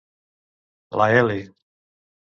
La L